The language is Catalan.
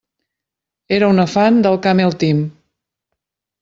Era una fan del Camel Team.